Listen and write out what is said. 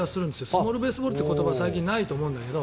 スモールベースボールって言葉最近ないと思うんだけど。